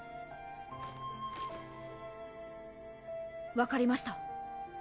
わかりました。